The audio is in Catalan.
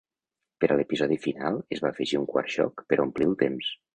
Per al episodi final, es va afegir un quart joc per a omplir el temps.